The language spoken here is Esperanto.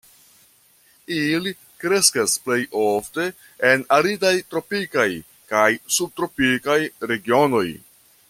Ili kreskas plej ofte en aridaj tropikaj kaj subtropikaj regionoj.